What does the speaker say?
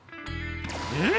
えっ！